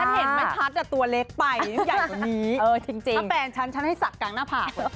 ฉันเห็นไหมชัดแต่ตัวเล็กไปยังใหญ่กว่านี้ถ้าแปลงฉันฉันให้สักกลางหน้าผาก